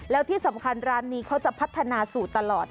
แล้วที่สำคัญร้านนี้เขาจะพัฒนาสูตรตลอด